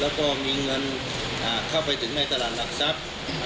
แล้วก็มีเงินเข้าไปถึงในตลาดหลักทรัพย์